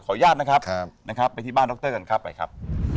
อนุญาตนะครับนะครับไปที่บ้านดรกันครับไปครับ